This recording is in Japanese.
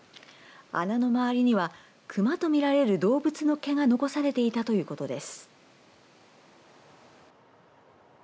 穴の周りにはクマとみられる動物の毛が残されていたということです。